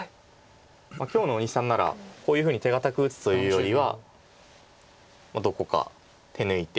今日の大西さんならこういうふうに手堅く打つというよりはどこか手抜いて。